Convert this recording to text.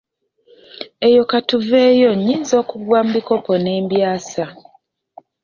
Eyo ka tuveeyo nnyinza okugwa mu bikopo ne mbyasa.